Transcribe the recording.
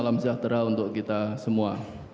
salam sejahtera untuk kita semua